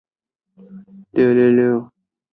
瓦索伊。